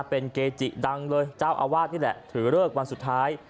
เป็นเกจิดังเลยเจ้าอาวาสนี่แหละถือเลิกวันสุดท้าย